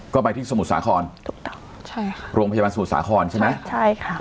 ก็ไปที่สมุทรสาครถูกต้องใช่ค่ะโรงพยาบาลสมุทรสาครใช่ไหมใช่ค่ะ